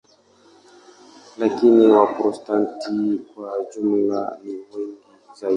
Lakini Waprotestanti kwa jumla ni wengi zaidi.